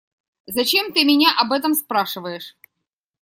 Зачем ты меня об этом спрашиваешь?